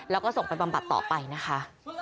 แล้วก็ส่งไปป้ายต่อไปนะคะ